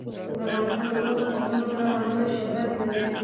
افغانستان د اوږده غرونه له امله شهرت لري.